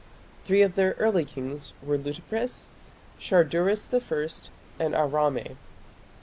Three of their early kings were Lutipris, Sharduris I, and Arame.